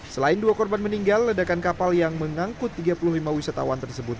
selain dua korban meninggal ledakan kapal yang mengangkut tiga puluh lima wisatawan tersebut